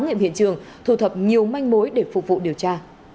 nghiệm hiện trường thu thập nhiều manh mối để phục vụ điều tra